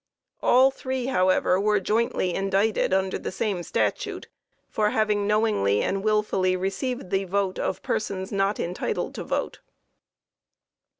All three, however were jointly indicted under the same statute for having "knowingly and wilfully received the votes of persons not entitled to vote."